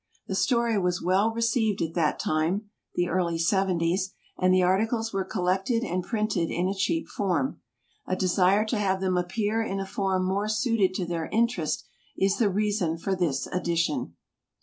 The story was well received at that time, [vi] A FAMILY STORY the early seventies, and the articles were collected and printed in a cheap form. A desire to have them appear in a form more suited to their interest is the reason for this edition.